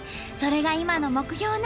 それが今の目標